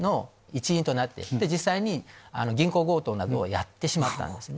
実際に銀行強盗などをやってしまったんですね。